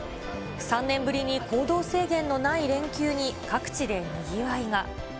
３年ぶりに行動制限のない連休に、各地でにぎわいが。